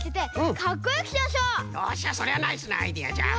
よっしゃそれはナイスなアイデアじゃ！